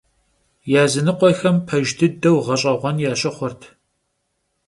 Yazınıkhuexem pejj dıdeu ğeş'eğuen yaşıxhurt.